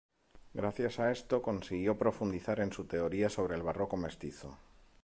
Gracias a esto consiguió profundizar en su teoría sobre el barroco mestizo.